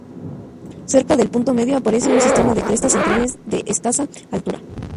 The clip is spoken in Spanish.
Cerca del punto medio aparece un sistema de crestas centrales de escasa altura.